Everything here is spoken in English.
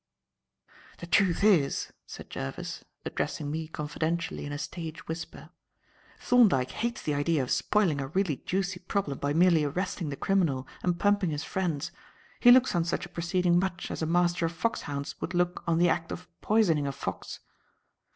"The truth is," said Jervis, addressing me confidentially in a stage whisper, "Thorndyke hates the idea of spoiling a really juicy problem by merely arresting the criminal and pumping his friends. He looks on such a proceeding much as a Master of Foxhounds would look on the act of poisoning a fox."